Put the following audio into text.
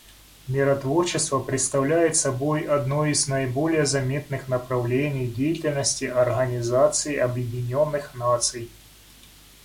Миротворчество представляет собой одно из наиболее заметных направлений деятельности Организации Объединенных Наций.